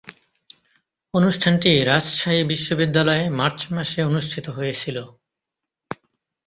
অনুষ্ঠানটি রাজশাহী বিশ্বনিদ্যালয়ে মার্চ মাসে অনুষ্ঠিত হয়েছিলো।